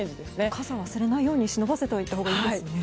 傘忘れないように忍ばせておいたほうがいいですね。